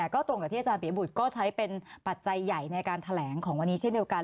ก็ตรงกับที่อาจารย์ปียบุตรก็ใช้เป็นปัจจัยใหญ่ในการแถลงของวันนี้เช่นเดียวกัน